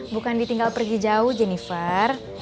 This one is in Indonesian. bukan ditinggal pergi jauh jennifer